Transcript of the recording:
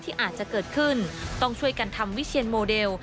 อาจจะเกิดขึ้นต้องช่วยกันทำวิเชียนโมเดล